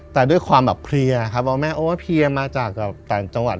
แต่ด้วยความแบบเพลียครับว่าแม่โอ้เพลียมาจากต่างจังหวัด